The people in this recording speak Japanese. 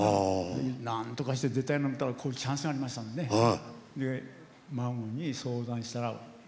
なんとかして出たいなと思ったらチャンスがありましたので孫に相談したら。